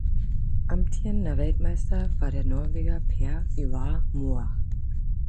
Amtierender Weltmeister war der Norweger Per Ivar Moe.